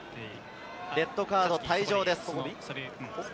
レッドカード、退場です。